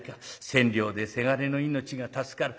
千両で倅の命が助かる。